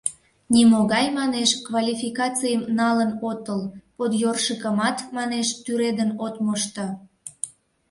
Нимогай, манеш, квалификацийым налын отыл, «подъёршикымат», манеш, тӱредын от мошто.